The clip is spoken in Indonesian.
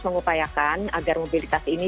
mengupayakan agar mobilitas ini